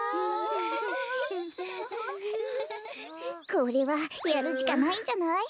これはやるしかないんじゃない？